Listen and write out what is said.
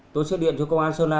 tôi sẽ điện cho công an sơn la